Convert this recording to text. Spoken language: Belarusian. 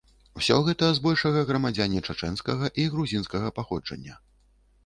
Усё гэта збольшага грамадзяне чачэнскага і грузінскага паходжання.